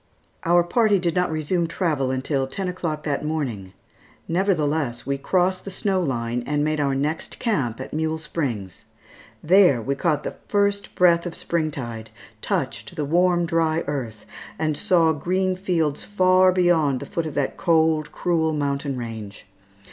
Our party did not resume travel until ten o'clock that morning; nevertheless, we crossed the snow line and made our next camp at Mule Springs. There we caught the first breath of spring tide, touched the warm, dry earth, and saw green fields far beyond the foot of that cold, cruel mountain range.